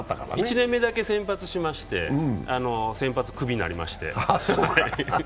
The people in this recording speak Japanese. １年目だけ先発しまして先発、クビになりまして。